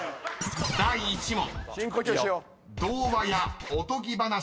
［第１問］